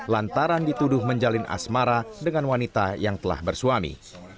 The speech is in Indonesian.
lantaran dituduh menjalin asmara dengan wanita yang telah bersuami